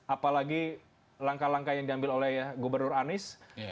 apalagi langkah langkah yang diambil oleh gubernur anies